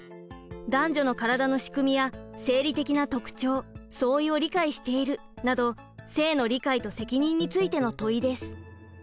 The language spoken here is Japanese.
「男女のからだのしくみや生理的な特徴・相違を理解している」など性の理解と責任についての問いです。